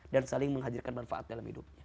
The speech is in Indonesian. dan saling menghadirkan manfaat dalam hidup